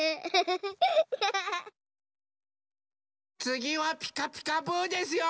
つぎは「ピカピカブ！」ですよ。